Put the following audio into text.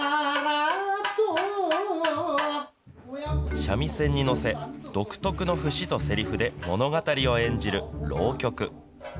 三味線に乗せ、独特の節とせりふで物語を演じる、浪曲。